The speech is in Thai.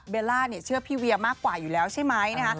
เบลล่าเชื่อพี่เวียมากกว่าอยู่แล้วใช่ไหม